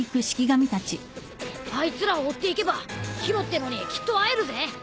あいつらを追っていけば宙ってのにきっと会えるぜ。